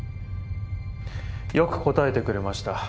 よく答えてくれました。